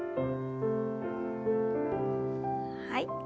はい。